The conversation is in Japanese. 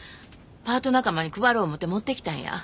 パート仲間に配ろう思うて持ってきたんや。